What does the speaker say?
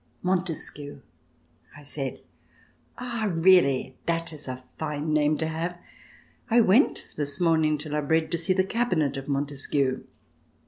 "Montesquieu," I said. "Ah, really, that is a fine name to have. I went this morning to La Brede to see the cabinet of Montesquieu."